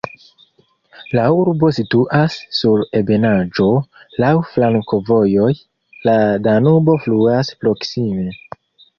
La urbo situas sur ebenaĵo, laŭ flankovojoj, la Danubo fluas proksime.